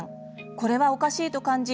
これはおかしいと感じ